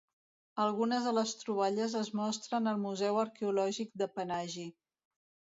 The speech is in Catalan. Algunes de les troballes es mostren al Museu Arqueològic de Panaji.